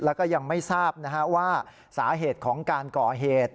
แล้วก็ยังไม่ทราบว่าสาเหตุของการก่อเหตุ